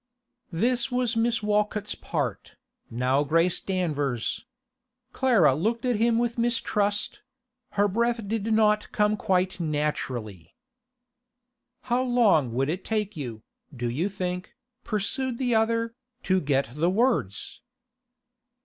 This was Miss Walcott's part, now Grace Danver's. Clara looked at him with mistrust; her breath did not come quite naturally. 'How long would it take you, do you think,' pursued the other, 'to get the words?